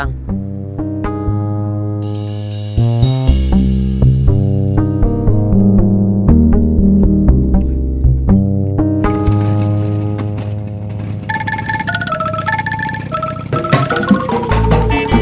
yang dulu nyiksa kita